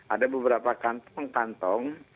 ada beberapa kantong kantong